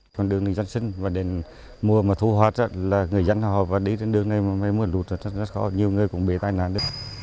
còn đường dân sinh mùa mà thu hoạt là người dân họ đi trên đường này mới mua lụt nhiều người cũng bị tai nạn